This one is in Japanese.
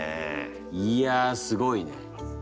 いやすごいね。